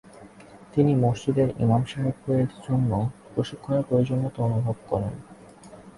তিনি মসজিদের ইমাম সাহেবানের জন্যও প্রশিক্ষণের প্রয়ােজনীয়তা অনুভব করেন।